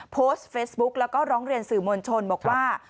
โพสต์เฟซบุ๊กแล้วก็ร้องเรียนสื่อมวลชนบอกว่า